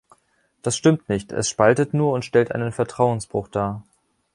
Das stimmt nicht, es spaltet nur und stellt einen Vertrauensbruch dar.